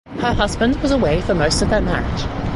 Her husband was away for most of their marriage.